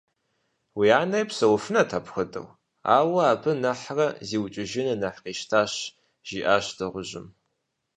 Уи анэри псэуфынут апхуэдэу, ауэ абы нэхърэ зиукӀыжыныр нэхъ къищтащ, - жиӏащ дыгъужьым.